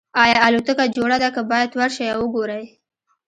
ایا الوتکه جوړه ده که باید ورشئ او وګورئ